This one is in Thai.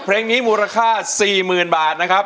เพลงนี้มูลค่าสี่หมื่นบาทนะครับ